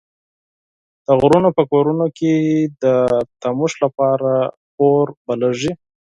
د غرونو په کورونو کې د تودوخې لپاره اور بليږي.